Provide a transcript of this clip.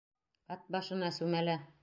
Ат башына сүмәлә!